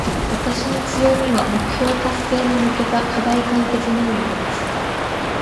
私の強みは、目標達成に向けた課題解決能力です。